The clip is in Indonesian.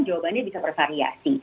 jawabannya bisa bervariasi